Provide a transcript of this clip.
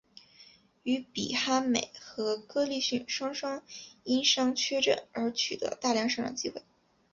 于比哈美和哥利逊双双因伤缺阵而取得大量上阵机会。